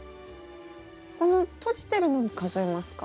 この閉じてるのも数えますか？